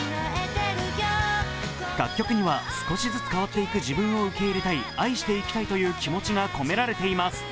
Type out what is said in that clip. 楽曲には少しずつ変わっていく自分を受け入れたい、愛していきたいという気持ちが込められています。